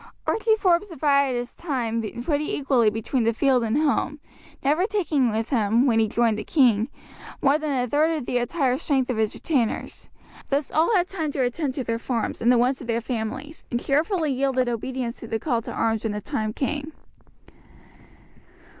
Archie Forbes divided his time pretty equally between the field and home, never taking with him, when he joined the king, more than a third of the entire strength of his retainers; thus all had time to attend to their farms and the wants of their families, and cheerfully yielded obedience to the call to arms when the time came.